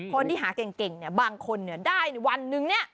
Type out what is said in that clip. คนที่หาเก่งบางคนได้วันนึงเนี่ย